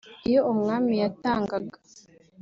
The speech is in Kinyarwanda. Iyo umwami yatangaga